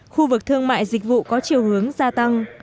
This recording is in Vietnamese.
khu vực thương mại dịch vụ có chiều hướng gia tăng